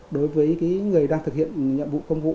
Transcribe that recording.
đối với người đang thực hiện nhiệm vụ công vụ